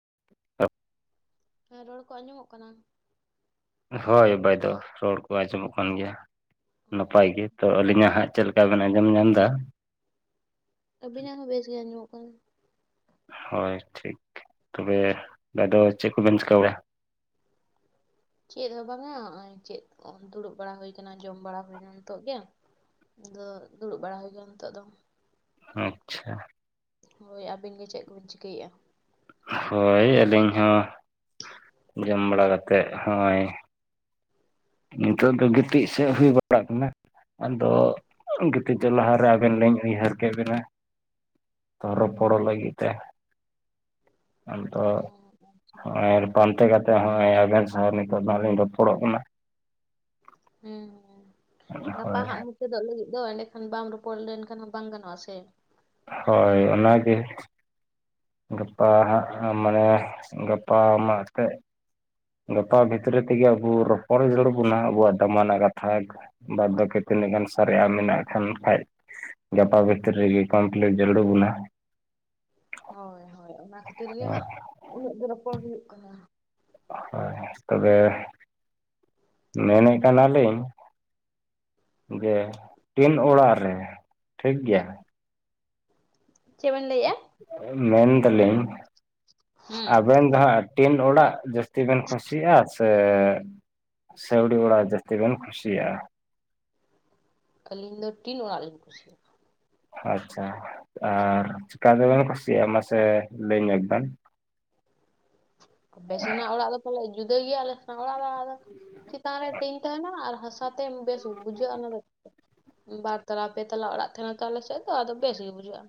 [unintelligible] ᱦᱮᱸ ᱨᱚᱲ ᱠᱚ ᱟᱸᱡᱚᱢᱚᱜ ᱠᱟᱱᱟ? ᱦᱳᱭ ᱵᱟᱭᱫᱳ ᱨᱚᱲ ᱠᱚ ᱟᱸᱡᱚᱢᱚᱜ ᱠᱟᱱ ᱜᱮᱭᱟ ᱱᱟᱯᱟᱭ ᱜᱮ ᱛᱚ, ᱟᱹᱞᱤᱧᱟᱜ ᱦᱟᱸᱜ ᱪᱮᱫ ᱞᱮᱠᱟ ᱵᱮᱱ ᱟᱸᱡᱚᱢ ᱧᱟᱢ ᱫᱟ? ᱟᱹᱵᱤᱱ ᱟᱜ ᱦᱚᱸ ᱵᱮᱥ ᱜᱮ ᱟᱸᱡᱚᱢᱚᱜ ᱠᱟᱱᱟ ᱾ ᱦᱳᱭ ᱴᱷᱤᱠ ᱛᱚᱵᱮ ᱟᱫᱚ ᱪᱮᱫ ᱠᱚᱵᱮᱱ ᱪᱮᱠᱟ ᱵᱟᱲᱟ ᱪᱮᱫ ᱦᱚᱸ ᱵᱟᱝᱼᱟ ᱱᱚᱜ ᱚᱭ ᱪᱮᱫ ᱚᱸ ᱫᱩᱲᱩᱵ ᱵᱟᱲᱟ ᱦᱩᱭ ᱟᱠᱟᱱᱟ ᱡᱚᱢ ᱵᱟᱲᱟ ᱦᱩᱭᱱᱟ ᱱᱤᱛᱚᱜ ᱜᱮ ᱾ ᱟᱫᱚ ᱫᱩᱲᱩᱵ ᱵᱟᱲᱟ ᱦᱩᱭ ᱠᱟᱱᱟ ᱱᱤᱛᱚᱜ ᱫᱚ ᱾ ᱟᱪᱪᱷᱟ ᱾ ᱦᱳᱭ ᱟᱹᱵᱤᱱ ᱜᱮ ᱪᱮᱫ ᱠᱚᱵᱤᱱ ᱪᱤᱠᱟᱹᱭᱮᱜᱼᱟ? ᱦᱳᱭ ᱟᱹᱞᱤᱧ ᱦᱚᱸ ᱡᱚᱢ ᱵᱟᱲᱟ ᱠᱟᱛᱮᱫ ᱦᱚᱸᱭ ᱱᱤᱛᱚᱜ ᱫᱚ ᱜᱤᱛᱤᱡ ᱥᱮᱜ ᱦᱩᱭ ᱵᱟᱲᱟᱜ ᱠᱟᱱᱟ ᱾ ᱟᱫᱚ ᱜᱤᱛᱤᱡᱚᱜ ᱞᱟᱦᱟᱨᱮ ᱟᱵᱮᱱ ᱞᱤᱧ ᱩᱭᱦᱟᱹᱨ ᱠᱮᱫ ᱵᱮᱱᱟ ᱾ ᱛᱚ ᱨᱚᱯᱚᱲ ᱞᱟᱹᱜᱤᱫ ᱛᱮ ᱟᱫᱚ ᱱᱚᱜ ᱚᱭ ᱟᱨ ᱯᱟᱱᱛᱮ ᱠᱟᱛᱮ ᱦᱚᱸᱚᱭ ᱟᱵᱤᱱ ᱥᱟᱝ ᱱᱤᱛᱚᱜ ᱫᱚᱦᱟᱸᱜ ᱞᱤᱧ ᱨᱚᱯᱚᱲᱚᱜ ᱠᱟᱱᱟ᱾ ᱦᱮᱸ ᱜᱟᱯᱟ ᱦᱳᱭ ᱦᱟᱸᱜ ᱪᱮᱫᱚᱜ ᱞᱟᱹᱜᱤᱫ ᱫᱚ ᱮᱸᱰᱮᱠᱷᱟᱱ ᱵᱟᱢ ᱨᱚᱯᱚᱲ ᱞᱮᱱᱠᱷᱟᱱ ᱦᱚᱸ ᱵᱟᱝ ᱜᱟᱱᱚᱜᱼᱟ ᱥᱮ ᱾ ᱦᱳᱭ ᱚᱱᱟᱜᱮ ᱾ ᱜᱟᱯᱟ ᱦᱟᱸᱜ ᱢᱟᱱᱮ ᱜᱟᱯᱟ ᱢᱟ ᱛᱮᱫ ᱜᱟᱯᱟ ᱵᱷᱤᱛᱨᱤ ᱛᱮᱜᱮ ᱟᱵᱚ ᱨᱚᱯᱚᱲ ᱦᱩᱭ ᱡᱚᱲᱩᱲ ᱵᱚᱱᱟ ᱟᱵᱚᱣᱟᱜ ᱫᱟᱢᱟᱱᱟ ᱠᱟᱛᱷᱟ ᱾ ᱵᱟᱫ-ᱵᱟᱠᱤ ᱛᱤᱱᱟᱹᱜ ᱜᱟᱱ ᱥᱟᱨᱮᱡ ᱟᱜ ᱢᱮᱱᱟᱜ ᱠᱷᱟᱱ ᱠᱷᱟᱡ ᱜᱟᱯᱟ ᱵᱷᱤᱛᱨᱤ ᱨᱮᱜ ᱠᱚᱢᱯᱞᱤᱴ ᱡᱟᱹᱲᱩᱲ ᱟᱵᱩᱱᱟ᱾ ᱦᱳᱭ ᱦᱳᱭ ᱚᱱᱟ ᱠᱷᱟᱹᱛᱤᱨ ᱜᱮ ᱦᱟᱸᱜ ᱩᱱᱟᱹᱜ ᱫᱚ ᱨᱚᱯᱚᱲ ᱦᱩᱭᱩᱜ ᱠᱟᱱᱟ᱾ ᱦᱳᱭ ᱛᱚᱵᱮ ᱢᱮᱱᱮᱫ ᱠᱟᱱᱟᱞᱤᱧ ᱡᱮ ᱴᱤᱱ ᱚᱲᱟᱜ ᱨᱮ ᱴᱷᱤᱠ ᱜᱮᱭᱟ ᱪᱮᱜᱵᱮᱱ ᱞᱟᱹᱭᱮᱜ-ᱟ? ᱢᱮᱱ ᱫᱟᱹᱞᱤᱧ ᱦᱩᱸ ᱟᱵᱮᱱ ᱫᱚ ᱦᱟᱸᱜ ᱴᱤᱱ ᱚᱲᱟᱜ ᱡᱟᱹᱥ ᱡᱟᱹᱥᱛᱤ ᱵᱮᱱ ᱠᱩᱥᱤᱭᱟᱜ-ᱟ ᱥᱮ ᱥᱟᱹᱣᱲᱤ ᱚᱲᱟᱜ ᱡᱟᱹᱥᱛᱤ ᱵᱮᱱ ᱠᱩᱥᱤᱭᱟᱜ-ᱟ? ᱟᱹᱞᱤᱧ ᱫᱚ ᱴᱤᱱ ᱚᱲᱟᱜ ᱞᱤᱧ ᱠᱩᱥᱤᱭᱟᱜ-ᱟ᱾ ᱟᱪᱪᱷᱟ ᱟᱨ ᱪᱮᱠᱟᱛᱮᱵᱮᱱ ᱠᱩᱥᱤᱭᱟᱜ-ᱟ ᱢᱟᱥᱮ ᱞᱟᱹᱭ ᱧᱚᱜ ᱵᱮᱱ? ᱟᱵᱮᱥᱮᱱᱟᱜ ᱚᱲᱟᱜ ᱫᱚ ᱯᱟᱞᱮᱜ ᱡᱩᱫᱟᱹ ᱜᱮᱭᱟ ᱟᱞᱮ [unintelligible] ᱮᱸ ᱪᱮᱛᱟᱱ ᱨᱮ ᱴᱤᱱ ᱛᱟᱦᱮᱸᱱᱟ ᱟᱨ ᱦᱟᱥᱟᱛᱮ ᱵᱮᱥ ᱵᱩᱡᱷᱟᱹᱜ-ᱟ ᱚᱱᱟ ᱫᱚ᱾ ᱵᱟᱨ ᱛᱟᱞᱟ ᱯᱮ ᱛᱟᱞᱟ ᱚᱲᱟᱜ ᱛᱟᱦᱮᱱᱟ ᱛᱚ ᱟᱞᱮ ᱥᱮᱫ ᱫᱚ ᱟᱫᱚ ᱵᱮᱥ ᱜᱮ ᱵᱩᱡᱷᱟᱹᱜ-ᱟ᱾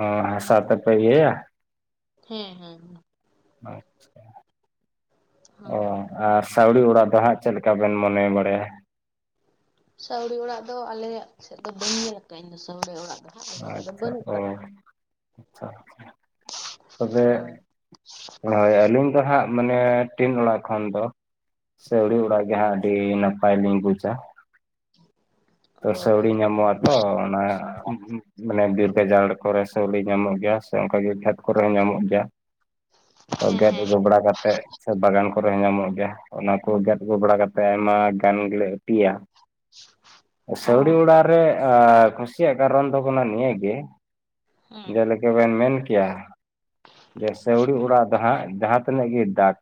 ᱚ ᱦᱟᱸᱥᱟ ᱛᱮ ᱯᱮ ᱤᱭᱟᱹᱭᱟ? ᱦᱮᱸ ᱦᱮᱸ ᱚᱱᱟ᱾ ᱟᱪᱪᱷᱟ ᱦᱳᱭ ᱮᱸ ᱦᱳᱭ ᱟᱨ ᱥᱟᱹᱣᱲᱤ ᱚᱲᱟᱜ ᱫᱚ ᱦᱟᱸᱜ ᱪᱮᱫ ᱞᱮᱠᱟ ᱵᱮᱱ ᱢᱚᱱᱮ ᱵᱟᱲᱟᱭᱟ? ᱥᱟᱹᱣᱲᱤ ᱚᱲᱟᱜ ᱫᱚ ᱟᱞᱮᱭᱟᱜ ᱥᱮᱫ ᱫᱚ ᱵᱟᱹᱧ ᱧᱮᱞ ᱟᱠᱟᱜ-ᱟ ᱤᱧ ᱫᱚ ᱥᱟᱹᱣᱲᱤ ᱚᱲᱟᱜ ᱫᱚ᱾ ᱦᱟᱸᱜ ᱟᱞᱮ ᱥᱮᱫ ᱫᱚ ᱟᱪᱪᱷᱟ ᱵᱟᱹᱱᱩᱜ ᱚ ᱟᱠᱟᱫᱟ ᱟᱪᱪᱷᱟ ᱟᱪᱪᱷᱟ ᱛᱚᱵᱮ ᱦᱳᱭ ᱦᱳᱭ ᱟᱹᱞᱤᱧ ᱫᱚ ᱦᱟᱸᱟᱜ ᱢᱟᱱᱮ ᱴᱤᱱ ᱚᱲᱟᱜ ᱠᱷᱚᱱ ᱫᱚ ᱥᱟᱹᱣᱲᱤ ᱚᱲᱟᱜ ᱜᱮ ᱦᱟᱸᱜ ᱟᱹᱰᱤ ᱱᱟᱯᱟᱭᱞᱤᱧ ᱵᱩᱡᱟ᱾ [inaudible] ᱛᱚ ᱥᱟᱹᱣᱲᱤ ᱧᱟᱢᱚᱜ-ᱟ ᱛᱚ ᱚᱱᱟ ᱢᱟᱱᱮ ᱵᱤᱨ ᱜᱟᱡᱟᱲ ᱠᱚᱨᱮ ᱥᱟᱹᱣᱲᱤ ᱧᱟᱢᱚᱜ ᱜᱮᱭᱟ ᱥᱮ ᱚᱱᱠᱟᱜᱮ ᱠᱷᱮᱛ ᱠᱚᱨᱮ ᱦᱚᱸ ᱧᱟᱢᱚᱜ ᱜᱮᱭᱟ᱾ ᱦᱮᱸ ᱟᱞᱜᱟᱛᱮ ᱦᱮᱸ ᱦᱮᱸ ᱫᱚᱵᱲᱟ ᱠᱟᱛ ᱛᱮᱜ ᱥᱮ ᱵᱟᱜᱟᱱ ᱠᱚᱨᱮ ᱦᱚᱸ ᱧᱟᱢᱚᱜ ᱜᱮᱭᱟ ᱚᱱᱟ ᱠᱚ ᱜᱮᱫ ᱟᱹᱜᱩ ᱵᱟᱲᱟ ᱠᱟᱛᱮᱜ ᱟᱭᱢᱟ ᱜᱟᱱ ᱜᱮᱞᱮ ᱩᱛᱩᱭᱟ᱾ [inaudible] ᱥᱟᱹᱣᱲᱤ ᱚᱲᱟᱜ ᱨᱮ ᱮᱸ ᱠᱩᱥᱤᱭᱟᱜ ᱠᱟᱨᱚᱱ ᱫᱚ ᱠᱟᱱᱟ ᱱᱤᱭᱟᱹ ᱜᱮ ᱦᱮᱸ ᱡᱮᱞᱮᱠᱟ ᱵᱮᱱ ᱢᱮᱱ ᱠᱮᱭᱟ ᱡᱮ ᱥᱟᱹᱣᱲᱤ ᱚᱲᱟᱜ ᱫᱚ ᱦᱟᱸᱜ ᱡᱟᱦᱟᱸ ᱛᱤᱱᱟᱹᱜ ᱜᱮ ᱫᱟᱜ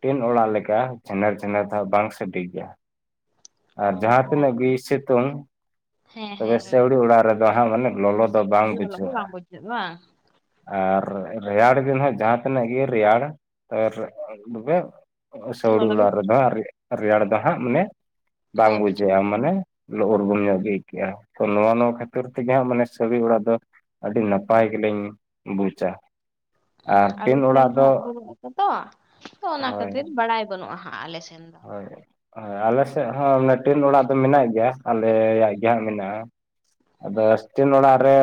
ᱴᱤᱱ ᱚᱲᱟᱜ ᱞᱮᱠᱟ ᱪᱷᱮᱱᱮᱨ, ᱪᱷᱮᱱᱮᱨ ᱫᱚ ᱦᱟᱸᱜ ᱵᱟᱝ ᱥᱟᱰᱮ ᱜᱮᱭᱟ᱾ ᱚ ᱟᱨ ᱡᱟᱦᱟᱸ ᱛᱤᱱᱟᱹᱜ ᱜᱮ ᱟᱪᱪᱷᱟ ᱥᱤᱛᱩᱝ ᱦᱮᱸ ᱛᱚᱵᱮ ᱦᱮᱸ ᱦᱮᱸ ᱥᱟᱹᱣᱲᱤ ᱚᱲᱟᱜ ᱨᱮᱫᱚ ᱦᱟᱸᱜ ᱢᱟᱱᱮ ᱞᱚᱞᱚ ᱫᱚ ᱵᱟᱝ ᱞᱚᱞᱚ ᱦᱚᱸ ᱵᱩᱡᱷᱟᱹᱜ-ᱟ᱾ ᱵᱟᱝ ᱵᱩᱡᱷᱟᱹᱜᱼᱟ ᱵᱟᱝ ᱟᱨ ᱨᱮᱭᱟᱲ ᱫᱤᱱ ᱦᱟᱸᱜ ᱡᱟᱦᱟᱸ ᱛᱤᱱᱟᱹᱜ ᱜᱮ ᱨᱮᱭᱟᱲ ᱟᱨ ᱛᱚᱵᱮ ᱥᱟᱹᱣᱲᱤ ᱞᱚᱞᱚ ᱜᱮ ᱚᱲᱟᱜ ᱨᱮᱫᱚ ᱵᱩᱡᱷᱟᱹᱜᱼᱟ ᱦᱟᱸᱜ ᱨᱮᱭᱟᱲ ᱫᱚ ᱦᱟᱸᱜ ᱢᱟᱱᱮ ᱵᱟᱝ ᱵᱟᱭ ᱵᱩᱡᱷᱟᱹᱜᱼᱟ ᱵᱩᱡᱷᱟᱹᱜ-ᱟ ᱢᱟᱱᱮ ᱞᱚᱜᱚᱨᱵᱚᱱ ᱧᱚᱜ ᱜᱮ ᱟᱹᱭᱠᱟᱹᱜ-ᱟ ᱛᱚ ᱱᱚᱣᱟ ᱱᱚᱣᱟ ᱠᱷᱟᱹᱛᱤᱨ ᱛᱮᱜᱮ ᱦᱟᱸᱜ ᱢᱟᱱᱮ ᱥᱟᱹᱣᱲᱤ ᱚᱲᱟᱜ ᱫᱚ ᱟᱹᱰᱤ ᱱᱟᱯᱟᱭ ᱜᱮᱞᱤᱧ ᱵᱩᱡᱟ᱾ ᱚᱻ ᱟᱨ ᱟᱞᱮ ᱴᱤᱱ ᱥᱮᱱ ᱚᱲᱟᱜ ᱫᱚ ᱦᱟᱸᱜ [unintelligible] ᱛᱚ ᱚᱱᱟ ᱦᱳᱭ ᱠᱷᱟᱹᱛᱤᱨ ᱵᱟᱲᱟᱭ ᱵᱟᱹᱱᱩᱜ-ᱟ ᱦᱟᱸᱜ ᱟᱞᱮ ᱥᱮᱱ ᱫᱚ᱾ ᱦᱳᱭ ᱦᱳᱭ ᱟᱞᱮᱥᱮᱜ ᱦᱚᱸ ᱢᱮ-ᱴᱤᱱ ᱚᱲᱟᱜ ᱫᱚ ᱢᱮᱱᱟᱜ ᱜᱮᱭᱟ ᱟᱞᱮᱭᱟᱜ ᱜᱮ ᱦᱟᱸᱜ ᱢᱮᱱᱟᱜ-ᱟ᱾ ᱟᱫᱚ ᱦᱮᱸ ᱥᱴᱤᱱ ᱚᱲᱟᱜ ᱨᱮ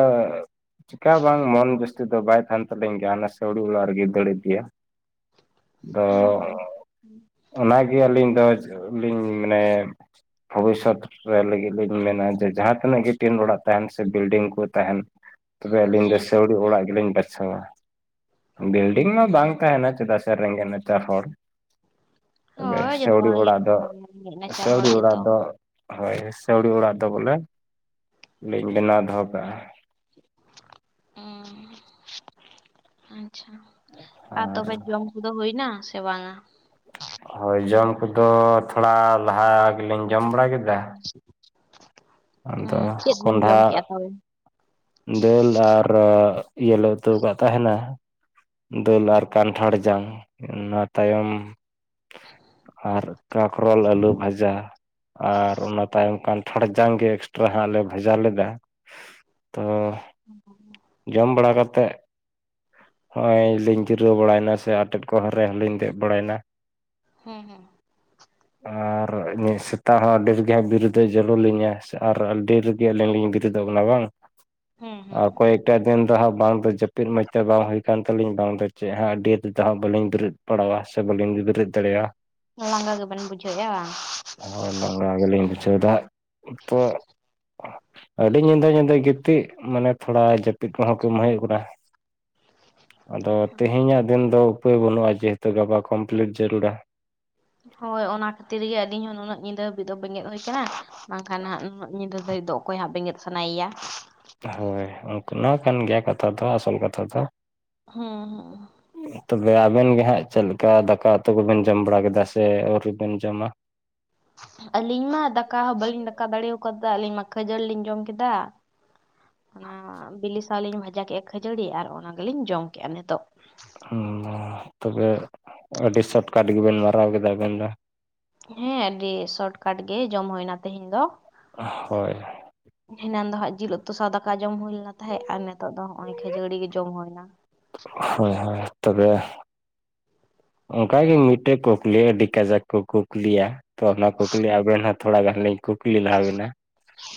ᱪᱮᱠᱟ ᱦᱚᱸ ᱵᱟᱝ ᱢᱚᱱ ᱵᱮᱥ ᱛᱮᱫᱚ ᱵᱟᱭ ᱛᱟᱦᱮᱸᱱ ᱛᱟᱞᱤᱧ ᱜᱮᱭᱟ ᱚᱱᱟ ᱥᱟᱹᱣᱲᱤ ᱚᱲᱟᱜ ᱨᱮᱜᱮ ᱫᱟᱹᱲ ᱤᱫᱭᱟ ᱟᱫᱚ ᱚ ᱚᱱᱟᱜ ᱟᱹᱞᱤᱧ ᱫᱚ ᱞᱤᱧ ᱢᱟᱱᱮ ᱵᱷᱚᱵᱤᱥᱚᱛ ᱨᱮ ᱞᱟᱹᱜᱤᱫ ᱞᱤᱧ ᱢᱮᱱᱟ ᱡᱮ ᱡᱟᱦᱟᱸ ᱛᱤᱱᱟᱹᱜ ᱜᱮ ᱴᱤᱱ ᱚᱲᱟᱜ ᱛᱟᱦᱮᱸᱱ ᱥᱮ ᱵᱤᱞᱰᱤᱝ ᱠᱚ ᱛᱟᱦᱮᱱ ᱛᱚᱵᱮ ᱟᱹᱞᱤᱧ ᱫᱚ ᱦᱮᱸ ᱥᱟᱹᱣᱲᱤ ᱚᱲᱟᱜ ᱜᱮᱞᱤᱧ ᱵᱟᱪᱷᱟᱣ-ᱟ᱾ ᱵᱤᱞᱰᱤᱝ ᱢᱟ ᱵᱟᱝ ᱛᱟᱦᱮᱸᱱᱟ ᱪᱮᱫᱟᱜ ᱥᱮ ᱨᱮᱜᱮᱸᱡᱽ ᱱᱟᱪᱟᱨ ᱦᱚᱲ᱾ ᱛᱚᱵᱮ ᱦᱳᱭ ᱡᱚᱛᱚ ᱥᱟᱹᱣᱲᱤ ᱦᱚᱲ ᱜᱮ ᱚᱲᱟᱜ ᱫᱚ ᱚᱱᱠᱟ ᱜᱮ ᱨᱮᱸᱜᱮᱡ ᱱᱟᱪᱟᱨ ᱦᱚᱲ ᱥᱟᱹᱣᱲᱤ ᱚᱲᱟᱜ ᱜᱮᱛᱚ ᱫᱚ ᱦᱳᱭ ᱥᱟᱹᱣᱲᱤ ᱚᱲᱟᱜ ᱫᱚ ᱵᱚᱞᱮ ᱞᱤᱧ ᱵᱮᱱᱟᱣ ᱫᱚᱦᱚ ᱠᱟᱜᱼᱟ [unintelligible] ᱟᱪᱟ ᱟᱨ ᱛᱚᱵᱮ ᱡᱚᱢ ᱠᱚᱫᱚ ᱦᱩᱭ ᱮᱱᱟ ᱥᱮ ᱵᱟᱝᱼᱟ ᱦᱳᱭ ᱡᱚᱢ ᱠᱚᱫᱚ ᱛᱷᱚᱲᱟ ᱞᱟᱦᱟ ᱜᱮᱞᱤᱧ ᱡᱚᱢ ᱵᱟᱲᱟ ᱠᱮᱫᱟ ᱟᱫᱚ ᱪᱮᱜ ᱵᱤᱱ ᱠᱚᱸᱰᱷᱟ ᱡᱚᱢ ᱠᱮᱜᱼᱟ ᱛᱟ ᱫᱟᱹᱞ ᱟᱨ ᱞᱮ ᱤᱭᱟᱹ ᱞᱮ ᱩᱛᱩ ᱠᱟᱜ ᱛᱟᱦᱮᱱᱟ ᱫᱟᱹᱞ ᱟᱨ ᱠᱟᱱᱴᱷᱟᱲ ᱡᱟᱝ ᱚᱱᱟ ᱛᱟᱭᱚᱢ ᱟᱨ ᱠᱚᱠᱨᱚᱞ ᱟᱹᱞᱩ ᱵᱷᱟᱡᱟ ᱟᱨ ᱚᱱᱟ ᱛᱟᱭᱚᱢ ᱠᱟᱱ ᱴᱷᱟᱲ ᱡᱟᱝ ᱜᱮ ᱮᱠᱥᱴᱨᱟ ᱦᱟᱸᱜ ᱞᱮ ᱵᱷᱟᱡᱟ ᱞᱮᱫᱟ ᱛᱚ [unintelligible] ᱡᱚᱢ ᱵᱟᱲᱟ ᱠᱟᱛᱮ ᱦᱚᱜᱼᱚᱭ ᱞᱤᱧ ᱡᱤᱨᱟᱹᱣ ᱵᱟᱲᱟᱭᱮᱱᱟ ᱥᱮ ᱟᱴᱮᱫ ᱠᱚ ᱨᱮ ᱦᱚᱞᱤᱧ ᱫᱮᱡ ᱵᱟᱲᱟᱭᱮᱱᱟ ᱦᱩᱸ ᱦᱩᱸ ᱟᱨ ᱢᱟᱹᱭ ᱥᱮᱛᱟᱜ ᱟᱜ ᱵᱤᱥ ᱜᱮ ᱟᱹᱰᱤ ᱡᱩᱫᱟᱹ ᱡᱩᱞᱩᱝ ᱞᱤᱧᱟ ᱥᱮᱜ ᱟᱨ ᱟᱰᱤ ᱰᱷᱮᱨᱜᱮ ᱟᱹᱞᱤᱧ ᱞᱤᱧ ᱵᱤᱨᱤᱫᱚᱜ ᱠᱟᱱᱟ ᱵᱟᱝ ᱦᱮᱸ ᱟᱨ ᱦᱮᱸ ᱚᱠᱚᱭ ᱮᱴᱟᱜ ᱫᱤᱱ ᱫᱚ ᱦᱟᱸ ᱵᱟᱝ ᱫᱚ ᱡᱟᱹᱯᱤᱫ ᱢᱚᱡᱽᱛᱮ ᱵᱟᱝ ᱦᱩᱭ ᱠᱟᱱ ᱛᱟᱹᱞᱤᱧ ᱵᱟᱝ ᱫᱚ ᱪᱮᱫ ᱟᱜ ᱟᱹᱰᱤ ᱛᱮᱫ ᱦᱟᱸ ᱵ ᱵᱟᱞᱤᱧ ᱫᱩᱲᱩᱵ ᱯᱟᱲᱟᱭᱟ ᱥᱮ ᱵᱟᱹᱞᱤᱧ ᱵᱮᱨᱮᱫ ᱫᱟᱲᱮᱭᱟᱜᱼᱟ ᱞᱟᱸᱜᱟ ᱜᱮᱵᱤᱱ ᱵᱩᱡᱷᱟᱹᱣᱭᱟ ᱦᱚᱭ ᱞᱟᱸᱜᱟ ᱜᱮᱞᱤᱧ ᱵᱩᱡᱷᱟᱹᱣ ᱫᱟ ᱛᱚ ᱟᱹᱰᱤ ᱧᱤᱫᱟᱹ ᱧᱤᱫᱟᱹ ᱜᱮ ᱛᱤᱜ ᱢᱟᱱᱮ ᱛᱷᱚᱲᱟ ᱡᱟᱹᱯᱤᱫ ᱠᱚᱦᱚᱸ ᱠᱚ ᱢᱮᱱ ᱜᱚᱫᱟ ᱟᱫᱚ ᱛᱮᱦᱮᱧᱟᱜ ᱫᱤᱱ ᱫᱚ ᱩᱯᱟᱹᱭ ᱵᱟᱹᱱᱩᱜᱼᱟ ᱡᱮᱦᱮᱛᱩ ᱜᱟᱯᱟ ᱠᱚᱢᱯᱞᱤᱴ ᱡᱟᱹᱨᱩᱲᱟ ᱦᱚᱭ ᱚᱱᱟ ᱠᱷᱟᱹᱛᱤᱨ ᱜᱮ ᱟᱹᱞᱤᱧ ᱦᱚᱸ ᱱᱩᱱᱟᱹᱜ ᱧᱤᱫᱟᱹ ᱦᱟᱹᱵᱤᱡ ᱫᱚ ᱵᱮᱸᱜᱮᱫ ᱦᱩᱭ ᱟᱠᱟᱱᱟ ᱵᱟᱝᱠᱷᱟᱱ ᱱᱟᱜ ᱱᱩᱱᱟᱹᱜ ᱧᱤᱫᱟᱹ ᱦᱳᱭ ᱫᱚ ᱚᱠᱚᱭ ᱦᱟᱸᱜ ᱵᱮᱸᱜᱮᱫ ᱥᱟᱱᱟᱭᱭᱟ ᱦᱳᱭ ᱚᱱᱟᱠᱟᱱ ᱜᱮᱭᱟ ᱠᱟᱛᱷᱟ ᱫᱚ ᱟᱥᱚᱞ ᱠᱟᱛᱷᱟ ᱫᱚ ᱦᱚᱸ ᱦᱚᱸ ᱛᱚᱵᱮ ᱟᱵᱮᱱ ᱜᱮ ᱦᱟᱜ ᱪᱮᱜᱞᱮᱠᱟ ᱫᱟᱠᱟ ᱩᱛᱩ ᱠᱚᱵᱮᱱ ᱡᱚᱢ ᱵᱟᱲᱟ ᱠᱮᱫᱟ ᱥᱮ ᱟᱹᱣᱨᱤᱵᱤᱱ ᱡᱚᱢᱟ ᱟᱹᱞᱤᱧ ᱢᱟ ᱫᱟᱠᱟ ᱵᱟᱹᱞᱤᱧ ᱫᱟᱠᱟ ᱫᱟᱲᱮᱣᱠᱟᱫᱟ ᱟᱹᱞᱤᱧ ᱢᱟ ᱠᱷᱟᱹᱡᱟᱹᱲᱤ ᱞᱤᱧ ᱡᱚᱢ ᱠᱮᱫᱟ ᱚᱱᱟ ᱵᱤᱞᱤ ᱥᱟᱶ ᱞᱤᱧ ᱵᱷᱟᱡᱟ ᱠᱮᱫᱼᱟ ᱠᱷᱟᱹᱡᱟᱹᱲᱤ ᱟᱨ ᱚᱱᱟ ᱜᱮᱞᱤᱧ ᱡᱚᱢ ᱠᱮᱜᱼᱟ ᱱᱤᱛᱚᱜ ᱛᱚᱵᱮ ᱟᱹᱰᱤ ᱥᱚᱴᱠᱟᱴ ᱜᱮᱵᱤᱱ ᱢᱟᱨᱟᱣ ᱠᱮᱫᱟ ᱟᱵᱤᱱ ᱫᱚ ᱦᱮᱸ ᱟᱹᱰᱤ ᱥᱚᱴᱠᱷᱟᱴ ᱜᱮ ᱡᱚᱢ ᱦᱩᱭᱱᱟ ᱛᱮᱦᱮᱧ ᱫᱚ ᱦᱳᱭ ᱮᱱᱟᱱ ᱫᱚ ᱦᱟᱸᱜ ᱡᱤᱞ ᱩᱛᱩ ᱥᱟᱶ ᱫᱟᱠᱟ ᱡᱚᱢ ᱦᱩᱭᱞᱮᱱᱟ ᱛᱟᱦᱮᱸᱫ ᱟᱨ ᱱᱤᱛᱚᱜ ᱫᱚ ᱱᱚᱜ ᱚᱭ ᱠᱷᱟᱹᱡᱟᱹᱲᱤ ᱜᱮ ᱡᱚᱢ ᱦᱩᱭᱱᱟ ᱦᱳᱭ ᱦᱳᱭ ᱛᱚᱵᱮ ᱚᱱᱠᱟ ᱜᱤ ᱢᱤᱫᱴᱮᱱ ᱠᱩᱠᱞᱤ ᱟᱹᱰᱤ ᱠᱟᱡᱟᱠ ᱠᱚ ᱠᱩᱠᱞᱤᱭᱟ ᱛᱚ ᱚᱱᱟ ᱠᱩᱠᱞᱤ ᱟᱵᱮᱱ ᱦᱚᱸ ᱛᱷᱚᱲᱟ ᱜᱟᱱ ᱞᱤᱧ ᱠᱩᱠᱞᱤ ᱞᱟᱦᱟᱵᱮᱱᱟ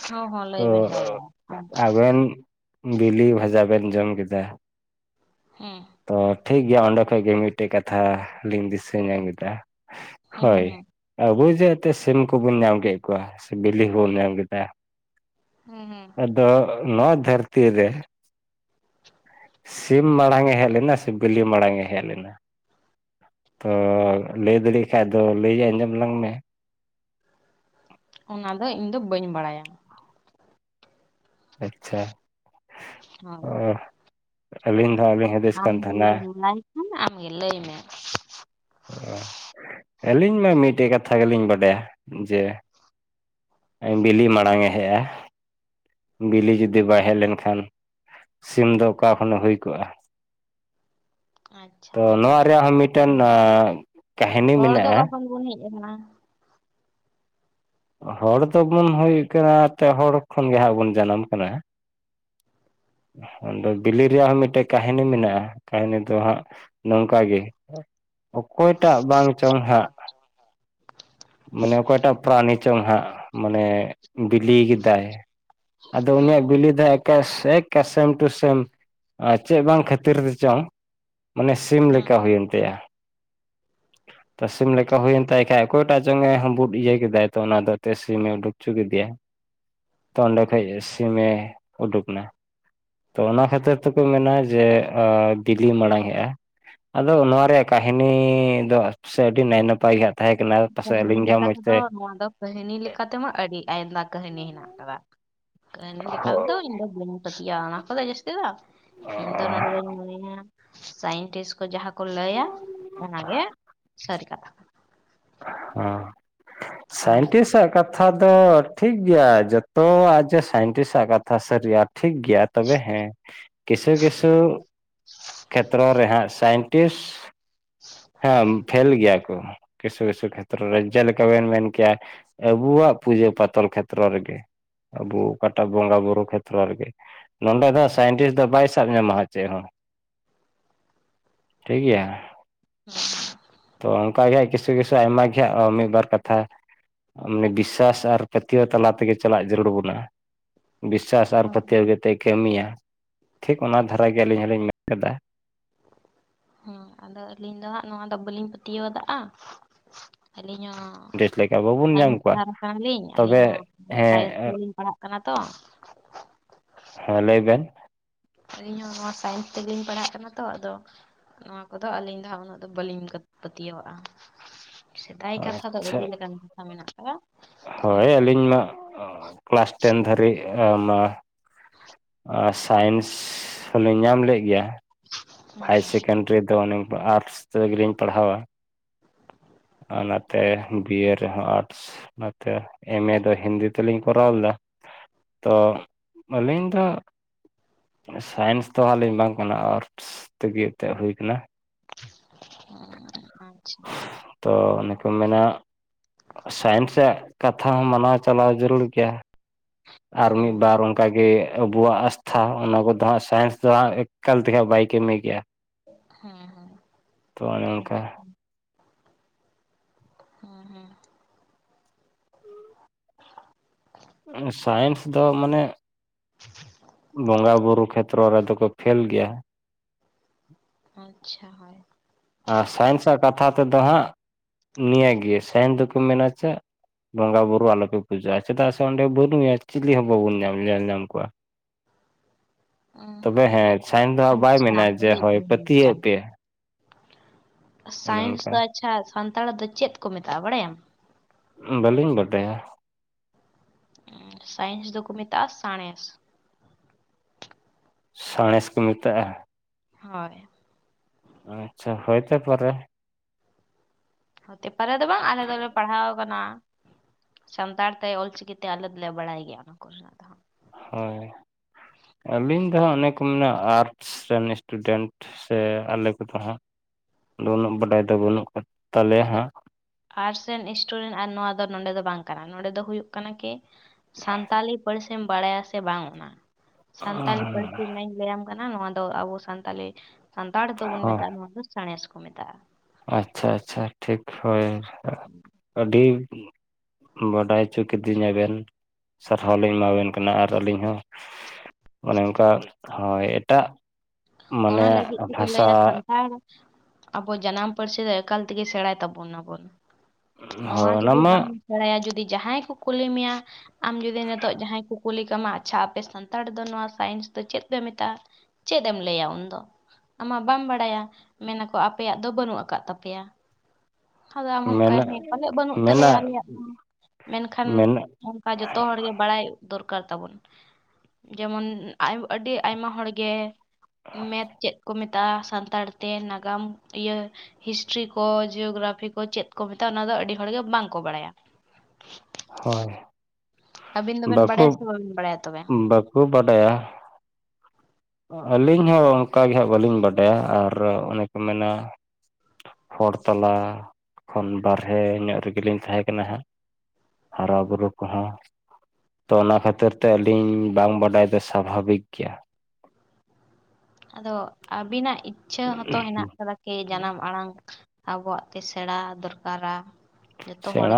ᱦᱚᱸ ᱦᱚᱸ ᱞᱟᱹᱭ ᱛᱚ ᱵᱮᱱ ᱞᱟᱹᱭ ᱵᱮᱱ ᱟᱵᱮᱱ ᱵᱤᱞᱤ ᱵᱷᱟᱡᱟ ᱵᱮᱱ ᱡᱚᱢ ᱠᱮᱫᱟ ᱦᱩᱸ ᱛᱚ ᱴᱷᱤᱠ ᱜᱮᱭᱟ ᱚᱸᱰᱮ ᱠᱷᱚᱡ ᱜᱤ ᱢᱤᱫᱴᱮᱜ ᱠᱟᱛᱷᱟ ᱞᱤᱧ ᱫᱤᱥᱟᱹ ᱧᱟᱢ ᱠᱮᱫᱟ ᱦᱮᱸ ᱦᱚᱭ ᱦᱮᱸ ᱟᱵᱚ ᱡᱮᱦᱩᱛᱮ ᱥᱤᱢ ᱠᱚᱵᱚᱱ ᱧᱟᱢ ᱠᱮᱫ ᱠᱚᱣᱟ ᱥᱮ ᱵᱤᱞᱤ ᱦᱚᱸᱵᱚᱱ ᱧᱟᱢ ᱠᱮᱫᱟ ᱦᱩᱸ ᱦᱩᱸ ᱟᱫᱚ ᱱᱚᱣᱟ ᱫᱷᱟᱹᱨᱛᱤ ᱨᱮ ᱥᱤᱢ ᱢᱟᱲᱟᱝ ᱮ ᱦᱮᱡ ᱞᱮᱱᱟ ᱥᱮ ᱵᱤᱞᱤ ᱢᱟᱲᱟᱝ ᱮ ᱦᱮᱡ ᱞᱮᱱᱟ ᱛᱚ ᱞᱟᱹᱭ ᱫᱟᱲᱮᱭᱟᱜ ᱠᱷᱟᱭ ᱫᱚ ᱞᱟᱹᱭ ᱟᱸᱡᱚᱢ ᱞᱟᱝ ᱢᱮ ᱚᱱᱟ ᱫᱚ ᱤᱧᱫᱚ ᱵᱟᱸᱧ ᱵᱟᱲᱟᱭᱟ᱾ ᱟᱪᱪᱷᱟ, ᱦᱳᱭ ᱚ ᱟᱹᱞᱤᱧ ᱫᱚ ᱟᱹᱵᱮᱱ ᱟᱢᱜᱮ ᱡᱩᱫᱤᱢ ᱞᱟᱹᱭ ᱠᱷᱟᱱ ᱟᱢᱜᱮ ᱞᱟᱹᱭ ᱢᱮ? ᱚ ᱟᱹᱞᱤᱧ ᱢᱟ ᱢᱤᱫᱴᱮᱡ ᱠᱟᱛᱷᱟ ᱜᱮᱞᱤᱧ ᱵᱟᱲᱟᱭᱟ ᱡᱮ, ᱵᱤᱞᱤ ᱢᱟᱲᱟᱝᱼᱮ ᱦᱮᱡᱼᱟ ᱵᱤᱞᱤ ᱡᱩᱫᱤ ᱵᱟᱭ ᱦᱮᱡ ᱞᱮᱱᱠᱷᱟᱱ ᱥᱤᱢ ᱫᱚ ᱚᱠᱟ ᱠᱷᱚᱱᱮ ᱦᱩᱭ ᱠᱚᱼᱟ᱾ ᱟᱪᱪᱷᱟ ᱚᱱᱠᱟ ᱱᱚᱣᱟ ᱵᱤᱱ ᱨᱮᱭᱟᱜ ᱦᱚᱸ ᱢᱤᱫᱴᱮᱱ ᱞᱟᱹᱭᱼᱟ ᱮᱸ ᱠᱟᱹᱦᱱᱤ ᱦᱚᱲ ᱫᱚ ᱢᱮᱱᱟᱜᱼᱟ ᱚᱠᱟ ᱠᱷᱚᱱ ᱵᱚᱱ ᱦᱮᱡ ᱟᱠᱟᱱᱟ? ᱦᱚᱲ ᱫᱚᱵᱚᱱ ᱦᱩᱭᱩᱜ ᱠᱟᱱᱟ ᱛᱮᱦᱚᱲ ᱠᱷᱚᱱ ᱜᱮ ᱦᱟᱸᱜ ᱵᱚᱱ ᱡᱟᱱᱟᱢ ᱠᱟᱱᱟ᱾ ᱟᱫᱚ ᱵᱤᱞᱤ ᱨᱮᱭᱟᱜ ᱦᱚᱸ ᱢᱤᱫᱴᱮᱡ ᱠᱟᱹᱦᱟᱱᱤ ᱢᱮᱱᱟᱜᱼᱟ ᱠᱟᱹᱦᱟᱱᱤ ᱫᱚ ᱦᱟᱸᱜ ᱱᱚᱝᱠᱟ ᱜᱮ᱾ ᱚᱠᱚᱭᱴᱟᱜ ᱵᱟᱝ ᱪᱚᱝ ᱦᱟᱸᱜ, [unintelligible] ᱢᱟᱱᱮ ᱚᱠᱚᱭᱴᱟᱜ ᱯᱨᱟᱱᱤ ᱪᱚᱝ ᱦᱟᱸᱜ ᱢᱟᱱᱮ ᱵᱤᱞᱤᱭ ᱠᱮᱫᱟᱭ, ᱟᱫᱚ ᱦᱮᱸ ᱩᱱᱤᱭᱟᱜ ᱵᱤᱞᱤ ᱫᱚ ᱮᱠᱟ ᱥᱮ ᱥᱮᱢ ᱴᱩ ᱥᱮᱢ᱾ ᱟᱨ ᱪᱮᱫ ᱵᱟᱝ ᱠᱷᱟᱹᱛᱤᱨ ᱪᱚᱝ ᱢᱟᱱᱮ ᱥᱤᱢ ᱦᱮᱸ ᱞᱮᱠᱟ ᱦᱩᱭᱮᱱ ᱛᱟᱭᱟ᱾ ᱛᱚ ᱥᱤᱢ ᱞᱮᱠᱟ ᱦᱩᱭᱮᱱ ᱛᱟᱭ ᱮ ᱠᱷᱟᱡ ᱠᱚ ᱚᱴᱟᱜ ᱪᱚᱝᱮ ᱦᱟᱸᱵᱩ ᱤᱭᱟᱹ ᱠᱮᱫᱟᱭ ᱛᱚ ᱚᱱᱟ ᱫᱚ ᱥᱤᱢ ᱮ ᱩᱰᱩᱠ ᱦᱚᱪᱚ ᱠᱮᱫᱮᱟᱭ᱾ ᱛᱚ ᱚᱸᱰᱮ ᱠᱷᱚᱡ ᱥᱤᱢᱮ ᱩᱰᱩᱠ ᱮᱱᱟ᱾ ᱛᱚ ᱚᱱᱟ ᱠᱷᱟᱹᱛᱤᱨ ᱛᱮᱠᱚ ᱢᱮᱱᱟ ᱡᱮ ᱵᱤᱞᱤ ᱢᱟᱲᱟᱝ ᱦᱮᱡᱼᱟ᱾ ᱟᱫᱚ ᱱᱚᱣᱟ ᱨᱮᱭᱟᱜ ᱠᱟᱹᱦᱤᱱᱤ ᱫᱚ ᱥᱮ ᱟᱹᱰᱤ ᱱᱟᱭ ᱱᱟᱯᱟᱭ ᱜᱮ ᱦᱟᱸᱜ ᱛᱟᱦᱮᱸ ᱠᱟᱱᱟ᱾ ᱯᱟᱥᱮᱡ ᱠᱟᱹᱦᱤᱱᱤ ᱟᱹᱞᱤᱧ ᱜᱮ ᱦᱟᱸᱜ ᱞᱮᱠᱟ ᱢᱚᱡᱽ ᱛᱮᱫᱚ ᱛᱮ ᱱᱚᱣᱟ ᱫᱚ, ᱠᱟᱦᱟᱱᱤ ᱞᱮᱠᱟ ᱛᱮᱢᱟ ᱟᱹᱰᱤ ᱟᱭᱫᱟ ᱠᱟᱹᱦᱱᱤ ᱦᱮᱱᱟᱜ ᱟᱠᱟᱫᱟ ᱠᱟᱹᱦᱱᱤ ᱞᱮᱠᱟ ᱛᱮᱫᱚ ᱤᱧ ᱫᱚ ᱵᱟᱹᱧ ᱯᱟᱹᱛᱭᱟᱹᱜ-ᱟ ᱚᱱᱟ ᱠᱚᱫᱚ ᱡᱟᱥᱛᱤ ᱫᱚ ᱤᱧ ᱫᱚ ᱱᱚᱰᱮ ᱫᱚᱧ ᱢᱚᱱᱮᱭᱟ ᱥᱟᱭᱮᱱᱴᱤᱥᱴ ᱠᱚ ᱡᱟᱦᱟᱸ-ᱼ ᱠᱚ ᱞᱟᱹᱭᱟ ᱚᱱᱟᱜᱮ ᱥᱟᱹᱨᱤ ᱠᱟᱛᱷᱟ ᱠᱟᱱᱟ᱾ ᱦᱟ, ᱦᱳᱭ ᱥᱟᱭᱮᱱᱴᱤᱥᱴ ᱟᱜ ᱠᱟᱛᱷᱟ ᱠᱟᱛᱷᱟ ᱫᱚ ᱴᱷᱤᱠ ᱜᱮᱭᱟ ᱡᱚᱛᱚᱣᱟᱜ ᱡᱮ ᱥᱟᱭᱮᱱᱴᱤᱥᱴ ᱟᱜ ᱠᱟᱛᱷᱟ ᱥᱟᱨᱤᱜ-ᱟ ᱾ ᱴᱷᱤᱠ ᱜᱮᱭᱟ ᱛᱚᱵᱮ ᱦᱮᱸ ᱠᱤᱪᱷᱩ ᱠᱤᱪᱷᱩ ᱠᱷᱮᱛᱨᱚ ᱨᱮᱦᱟᱸᱜ ᱥᱟᱭᱮᱱ ᱴᱮᱥ, ᱦᱮᱸ ᱯᱷᱮᱞ ᱜᱮᱭᱟ ᱠᱚ᱾ ᱠᱤᱪᱷᱩᱼ ᱠᱤᱪᱷᱩ ᱠᱷᱮᱛᱨᱚ ᱨᱮ ᱡᱮᱞᱮᱠᱟᱵᱮᱱ ᱢᱮᱱ ᱠᱮᱫᱟ ᱟᱵᱚᱣᱟᱜ ᱯᱩᱡᱟᱹ ᱯᱟᱛᱚᱞ ᱠᱷᱮᱛᱨᱚ ᱨᱮᱜᱮ᱾ ᱟᱵᱚ ᱚᱠᱟᱴᱟᱜ ᱵᱚᱸᱜᱟ ᱵᱩᱨᱩ ᱠᱷᱮᱛᱨᱚ ᱨᱮᱜᱮ᱾ ᱱᱚᱸᱰᱮ ᱫᱚ ᱥᱟᱭᱮᱱᱴᱤᱥᱴ ᱫᱚ ᱵᱟᱭ ᱥᱟᱵ ᱧᱟᱢᱚᱟ ᱪᱮ ᱦᱚᱸ᱾ ᱴᱷᱤᱠ ᱜᱮᱭᱟ᱾ [unintelligible] ᱛᱚ ᱚᱱᱠᱟ ᱜᱮ ᱠᱤᱪᱷᱩ ᱠᱤᱪᱷᱩ ᱟᱭᱢᱟ ᱜᱮ ᱢᱤᱫᱵᱟᱨ ᱠᱟᱛᱷᱟ, ᱢᱟᱱᱮ ᱵᱤᱥᱥᱟᱥ ᱟᱨ ᱯᱟᱹᱛᱭᱟᱹᱣ ᱛᱟᱞᱟ ᱛᱮᱜᱮ ᱪᱟᱞᱟᱜ ᱡᱟᱹᱨᱩᱲ ᱵᱚᱱᱟ᱾ ᱵᱤᱥᱥᱟᱥ ᱟᱨ ᱦᱩᱸ ᱯᱟᱹᱭᱟᱹᱣ ᱜᱮᱛᱚᱭ ᱠᱟᱹᱢᱤᱭᱟ ᱴᱷᱤᱠ ᱚᱱᱟ ᱫᱷᱟᱨᱟᱜ ᱜᱮ ᱟᱞᱤᱧ ᱦᱚᱞᱤᱧ ᱢᱮᱱ ᱠᱟᱫᱟ᱾ ᱦᱮᱸ ᱟᱫᱚ ᱟᱹᱞᱤᱧ ᱫᱚ ᱦᱟᱸᱜ ᱱᱚᱣᱟ ᱫᱚ ᱵᱟᱹᱞᱤᱧ ᱯᱟᱹᱛᱭᱟᱹᱣ ᱟᱠᱟᱜᱼᱟ ᱾ ᱟᱞᱤᱧ ᱦᱚᱸ, ᱰᱮᱴ ᱞᱮᱠᱟ ᱵᱟᱵᱚᱱ ᱧᱟᱢ ᱠᱚᱣᱟ [unintelligible] ᱠᱟᱱᱟᱞᱤᱧ ᱟᱹᱞᱤᱧ ᱛᱚᱵᱮ ᱦᱚᱸ ᱦᱮᱸ ᱥᱟᱭᱮᱱᱥ ᱛᱮᱜᱮᱞᱤᱧ ᱯᱟᱲᱦᱟᱜ ᱠᱟᱱᱟ ᱛᱚ, ᱦᱮᱸ ᱞᱟᱹᱭ ᱵᱮᱱ᱾ ᱟᱞᱤᱧ ᱦᱚᱸ ᱱᱚᱣᱟ ᱥᱟᱭᱮᱱᱥ ᱛᱮᱜᱮᱞᱤᱧ ᱯᱟᱲᱦᱟᱜ ᱠᱟᱱᱟ ᱛᱚ ᱟᱫᱚ, ᱱᱚᱣᱟ ᱠᱚᱫᱚ ᱟᱹᱞᱤᱧ ᱫᱚ ᱦᱟᱸᱜ ᱩᱱᱟᱹᱜ ᱫᱚ ᱵᱟᱹᱞᱤᱧ ᱯᱟᱹᱛᱭᱟᱹᱣᱟᱜᱼᱟ᱾ ᱥᱮᱫᱟᱭ ᱠᱟᱛᱷᱟ ᱫᱚ ᱟᱪᱪᱷᱟ ᱟᱹᱰᱤ ᱞᱮᱠᱟᱱ ᱠᱟᱛᱷᱟ ᱢᱮᱱᱟᱜ ᱠᱟᱫᱟ᱾ ᱦᱳᱭ ᱟᱹᱞᱤᱧ ᱢᱟ ᱠᱮᱞᱟᱥ ᱴᱮᱱ ᱫᱷᱟᱹᱨᱤᱡ ᱢᱟ [unintelligible] ᱟ ᱥᱟᱭᱮᱱᱥ ᱦᱚᱞᱤᱧ ᱧᱟᱢᱞᱮᱫ ᱜᱮᱭᱟ᱾ ᱦᱮᱸ ᱦᱟᱭᱟᱨᱥ ᱥᱮᱠᱮᱱᱰᱤᱨᱤ ᱫᱚ ᱚᱱᱮ ᱟᱨᱴᱥ ᱛᱮᱜᱞᱤᱧ ᱯᱟᱲᱦᱟᱣᱟ, [inaudible] ᱚᱱᱟᱛᱮ ᱵᱤ ᱮ ᱨᱮᱦᱚᱸ ᱟᱨᱴᱥ, ᱚᱱᱟᱚᱛᱮ ᱮᱢ ᱮ ᱫᱚ ᱦᱤᱱᱫᱤ ᱛᱮᱞᱤᱧ ᱠᱚᱨᱟᱣ ᱞᱮᱫᱟ, ᱛᱚ ᱟᱹᱞᱤᱧ ᱫᱚ, ᱥᱟᱭᱮᱱᱥ ᱫᱚ ᱦᱟᱸᱜᱞᱤᱧ ᱵᱟᱝ ᱠᱟᱱᱟ ᱟᱨᱴᱥ ᱛᱮᱜᱮ ᱵᱤ ᱮᱰ ᱛᱮ ᱦᱩᱭ ᱟᱠᱟᱱᱟ ᱾ [unintelligible] ᱟᱪᱪᱷᱟ, ᱛᱚ ᱚᱱᱮ ᱠᱚ ᱢᱮᱱᱟᱜ ᱥᱟᱭᱮᱱᱥ ᱨᱮᱭᱟᱜ ᱠᱟᱛᱷᱟ ᱢᱟᱱᱟᱣ ᱪᱟᱞᱟᱣ ᱡᱟᱹᱨᱩᱲ ᱜᱮᱭᱟ ᱾ ᱟᱨ ᱦᱮᱸ ᱢᱤᱫ ᱦᱮᱸ ᱵᱟᱨ ᱚᱱᱼᱼ ᱠᱟᱜᱮ ᱟᱵᱚᱣᱟᱜ ᱟᱥᱛᱷᱟ ᱚᱱᱟ ᱠᱚᱫᱚ ᱦᱟᱸᱜ ᱥᱟᱭᱮᱱᱥ ᱫᱚ ᱦᱟᱸᱜ ᱮᱠᱟᱞ ᱛᱮᱜᱮ ᱵᱟᱭ ᱠᱟᱹᱢᱤ ᱠᱮᱜ-ᱟ ᱾ ᱦᱮᱸ ᱦᱮᱸ ᱚᱱᱠᱟ ᱦᱮᱸ ᱦᱮᱸ, [unintelligible] ᱥᱟᱭᱮᱱᱥ ᱫᱚ ᱢᱟᱱᱮ, [inaudible] ᱵᱚᱸᱜᱟ ᱵᱩᱨᱩ ᱠᱷᱮᱛᱨᱚ ᱨᱮᱫᱚ ᱠᱚ ᱯᱷᱮᱞ ᱜᱮᱭᱟ, ᱟᱪᱪᱷᱟ ᱦᱚᱭ, ᱟᱨ ᱥᱟᱭᱮᱱᱥᱟᱜ ᱠᱟᱛᱷᱟ ᱛᱮᱫᱚ ᱦᱟᱸᱜ ᱱᱤᱭᱟᱹᱜᱮ, ᱥᱟᱭᱮᱱᱥ ᱫᱚᱠᱚ ᱢᱮᱱᱟ ᱪᱮ, ᱵᱚᱸᱜᱟ ᱵᱩᱨᱩ ᱟᱞᱚᱯᱮ ᱯᱩᱡᱟᱹᱜᱼᱟ ᱪᱮᱫᱟᱜ ᱥᱮ ᱚᱸᱰᱮ ᱵᱩᱰᱷᱢᱮᱭᱟᱭ ᱪᱮᱞᱮ ᱦᱚᱸ ᱵᱟᱵᱚᱱ ᱧᱟᱢ ᱧᱮᱞ ᱧᱟᱢ ᱠᱚᱣᱟ, ᱦᱮᱸ ᱛᱚᱵᱮ ᱦᱮᱸ ᱥᱟᱭᱮᱱᱥ ᱫᱚ ᱦᱟᱸᱜ ᱵᱟᱭ ᱟᱪᱪᱷᱟ ᱢᱮᱱᱟ ᱡᱮ ᱠᱩᱞᱤᱭᱮᱫ ᱦᱳᱭ ᱢᱤᱭᱟᱹᱧ ᱯᱟᱹᱛᱭᱟᱹᱜ ᱢᱤᱫᱴᱟᱝ ᱯᱮ, ᱚᱱᱮ ᱥᱟᱭᱮᱱᱥ ᱚᱱᱠᱟ ᱫᱚ ᱟᱪᱪᱷᱟ ᱥᱟᱱᱛᱟᱲ ᱫᱚ ᱪᱮᱫ ᱠᱚ ᱢᱮᱛᱟᱜᱼᱟ ᱵᱟᱲᱟᱭᱟᱢ? ᱵᱟᱹᱞᱤᱧ ᱵᱟᱰᱟᱭᱟ, ᱥᱟᱭᱮᱱᱥ ᱫᱚ ᱠᱚ ᱢᱮᱛᱟᱜᱼᱟ ᱥᱟᱬᱮᱥ, ᱥᱟᱬᱮᱥ ᱠᱚ ᱢᱮᱛᱟᱜᱼᱟ᱾ ᱦᱳᱭ᱾ ᱟᱪᱪᱷᱟ ᱦᱳᱭ ᱛᱮ ᱯᱟᱨᱮ᱾ ᱦᱚᱛᱮ ᱯᱟᱨᱮ ᱫᱚ ᱵᱟᱝ ᱟᱞᱮ ᱫᱚᱞᱮ ᱯᱟᱲᱦᱟᱣ ᱟᱠᱟᱱᱟ᱾ ᱥᱟᱱᱛᱟᱲ ᱛᱮ ᱚᱞᱪᱤᱠᱤᱛᱮ ᱟᱞᱮ ᱫᱚᱞᱮ ᱵᱟᱲᱟᱭ ᱜᱮᱭᱟ ᱚᱱᱟ ᱠᱚᱨᱮᱱᱟᱜ ᱫᱚ ᱦᱟᱹᱜ, ᱦᱳᱭ, ᱟᱹᱞᱤᱧ ᱫᱚ ᱦᱟᱸᱜ ᱚᱱᱮᱠᱚ ᱯᱩᱱᱱᱚ ᱟᱨᱴᱥ ᱨᱮᱱ ᱥᱴᱩᱰᱮᱱᱴ ᱥᱮ ᱟᱞᱮ ᱠᱚᱫᱚ ᱦᱟᱸᱜ, ᱟᱫᱚ ᱩᱱᱟᱹᱜ ᱵᱟᱰᱟᱭ ᱫᱚ ᱵᱟᱹᱱᱩᱜ ᱟᱠᱟᱫ ᱛᱟᱞᱮᱭᱟ ᱦᱟᱸᱜ᱾ ᱟᱨᱴᱥ ᱨᱮᱱ ᱥᱴᱩᱰᱮᱱᱴ ᱟᱨ ᱱᱚᱣᱟ ᱫᱚ ᱱᱚᱰᱮ ᱫᱚ ᱵᱟᱝ ᱠᱟᱱᱟ ᱱᱚᱰᱮ ᱫᱚ ᱦᱩᱭᱩᱜ ᱠᱟᱱᱟ ᱠᱮ ᱥᱟᱱᱛᱟᱞᱤ ᱯᱟᱨᱥᱤᱢ ᱵᱟᱲᱟᱭᱟ ᱥᱮ ᱵᱟᱝ ᱚᱱᱟ ᱥᱟᱱᱛᱟᱞᱤ ᱯᱟᱨᱥᱤ ᱤᱧᱱᱟᱜ ᱞᱟᱹᱭᱟᱢ ᱠᱟᱱᱟ ᱱᱚᱣᱟ ᱫᱚ ᱟᱵᱚ ᱥᱟᱱᱛᱟᱞᱤ ᱥᱟᱱᱛᱟᱲ ᱫᱚᱵᱚᱱ ᱦᱚᱸ ᱢᱮᱛᱟᱜᱼᱟ ᱱᱚᱣᱟ ᱫᱚ ᱥᱟᱬᱮᱥ ᱠᱚ ᱢᱮᱛᱟᱜᱼᱟ᱾ ᱟᱪᱪᱷᱟ ᱟᱪᱪᱷᱟ ᱴᱷᱤᱠ ᱦᱳᱭ ᱟᱰᱤᱻ ᱵᱟᱰᱟᱭ ᱦᱚᱪᱚ ᱠᱤᱫᱤᱧᱟᱵᱮᱱ, ᱥᱟᱨᱦᱟᱣ ᱞᱤᱧ ᱮᱢᱟᱵᱮᱱ ᱠᱟᱱᱟ ᱟᱨ ᱟᱞᱤᱧ ᱦᱚᱸ ᱚᱱᱮ ᱚᱱᱠᱟ ᱦᱳᱭ ᱮᱴᱟᱜ, ᱚᱱᱟ ᱢᱟᱱᱮ ᱞᱟᱜᱤᱫ ᱛᱮᱠᱚ ᱵᱷᱟᱥᱟ ᱞᱟᱹᱭᱟ ᱥᱟᱱᱛᱟᱲ ᱟᱵᱚ ᱡᱟᱱᱟᱢ ᱯᱟᱹᱨᱥᱤ ᱫᱚ ᱮᱠᱟᱞ ᱛᱮ ᱜᱮ ᱥᱮᱬᱟᱭ ᱛᱟᱵᱚᱱᱟᱵᱚᱱ ᱦᱳᱭ ᱱᱚᱣᱟ ᱚᱱᱟ ᱡᱩᱫᱤ ᱢᱟ ᱵᱟᱢ ᱥᱮᱬᱟᱭᱟ ᱡᱩᱫᱤ ᱡᱟᱦᱟᱸᱭ ᱠᱚ ᱠᱩᱞᱤ ᱢᱮᱭᱟ ᱟᱢ ᱡᱩᱫᱤ ᱱᱤᱛᱚᱜ ᱡᱟᱦᱟᱸᱭ ᱠᱚ ᱠᱩᱞᱤ ᱠᱟᱢᱟ ᱟᱪᱷᱟ ᱟᱯᱮ ᱥᱟᱱᱛᱟᱲ ᱫᱚ ᱱᱚᱣᱟ ᱥᱟᱭᱮᱱᱥ ᱫᱚ ᱪᱮᱫ ᱯᱮ ᱢᱮᱛᱟᱜᱼᱟ? ᱪᱮᱫ ᱮᱢ ᱞᱟᱹᱭᱟ ᱩᱱᱫᱚ? ᱟᱢᱟᱜ ᱵᱟᱢ ᱵᱟᱲᱟᱭᱟ ᱢᱮᱱᱟᱠᱚ ᱟᱯᱮᱭᱟᱜ ᱫᱚ ᱵᱟᱹᱱᱩᱜ ᱟᱠᱟᱫ ᱛᱟᱯᱮᱭᱟ᱾ ᱟᱫᱚ ᱟᱢ ᱦᱚᱸ ᱚᱠᱟᱭᱟ ᱢᱮᱱᱟᱜ ᱦᱮᱸ ᱯᱟᱞᱮᱜ ᱵᱟᱹᱱᱩᱜ ᱛᱟᱞᱮᱭᱟ ᱢᱮᱱᱟᱜ ᱟᱞᱮᱭᱟᱜ ᱫᱚ᱾ ᱢᱮᱱᱠᱷᱟᱱ ᱢᱮᱱᱟᱜ ᱚᱱᱠᱟ ᱡᱚᱛᱚ ᱦᱚᱲ ᱜᱮ ᱵᱟᱲᱟᱭ ᱫᱚᱨᱠᱟᱨ ᱛᱟᱵᱚᱱ᱾ ᱡᱮᱢᱚᱱ ᱟᱹᱰᱤ ᱟᱭᱢᱟ ᱦᱚᱲ ᱜᱮ ᱢᱮᱛ ᱪᱮᱫ ᱠᱚ ᱢᱮᱛᱼᱼ ᱥᱟᱱᱛᱟᱲ ᱛᱮ ᱱᱟᱜᱟᱢ ᱤᱭᱟᱹ ᱦᱤᱥᱴᱨᱤ ᱠᱚ ᱡᱤᱭᱳᱜᱨᱟᱯᱷᱤ ᱠᱚ ᱪᱮᱫ ᱠᱚ ᱢᱮᱛᱟᱜᱟ ᱚᱱᱟ ᱫᱚ ᱟᱹᱰᱤ ᱦᱚᱲ ᱜᱮ ᱵᱟᱝ ᱠᱚ ᱵᱟᱲᱟᱭᱟ᱾ ᱦᱳᱭ᱾ ᱟᱹᱵᱤᱱ ᱫᱚᱵᱮᱱ ᱵᱟᱲᱟᱭᱟ ᱥᱮ ᱵᱟᱹᱵᱤᱱ ᱵᱟᱲᱟᱭᱟ ᱛᱚᱵᱮ? ᱠᱷᱩᱵ ᱵᱟᱰᱟᱭᱟ᱾ ᱟᱹᱞᱤᱧ ᱦᱚᱸ ᱚᱱᱠᱟᱜᱮ ᱦᱟᱸᱜ ᱵᱟᱹᱞᱤᱧ ᱵᱟᱰᱟᱭᱟ ᱟᱨ ᱚᱱᱮ ᱠᱚ ᱢᱮᱱᱟ ᱦᱚᱲ ᱛᱟᱞᱟ ᱠᱷᱚᱱ ᱵᱟᱨᱦᱮ ᱧᱚᱜ ᱨᱮᱜᱮᱞᱤᱧ ᱛᱟᱦᱮᱸ ᱠᱟᱱᱟ ᱦᱟᱸᱜ᱾ ᱦᱟᱨᱟ ᱵᱩᱨᱩ ᱠᱚ ᱦᱚᱸ᱾ ᱛᱚ ᱚᱱᱟ ᱠᱷᱟᱹᱛᱤᱨ ᱛᱮ ᱟᱹᱞᱤᱧ ᱵᱟᱝ ᱵᱟᱰᱟᱭ ᱫᱚ ᱥᱟᱵᱷᱟᱵᱤᱠ ᱜᱮᱭᱟ᱾ ᱟᱫᱚ ᱟᱵᱤᱱᱟᱜ ᱤᱪᱷᱟᱹ ᱦᱚᱸ ᱛᱚ ᱦᱮᱱᱟᱜ ᱠᱟᱫᱟ ᱠᱤ ᱡᱟᱱᱟᱢ ᱟᱲᱟᱝ ᱟᱵᱚᱣᱟᱜ ᱛᱮ ᱥᱮᱬᱟ ᱫᱚᱨᱠᱟᱨᱟ ᱡᱚᱛᱚ ᱥᱮᱬᱟ ᱦᱚᱲ ᱜᱮ᱾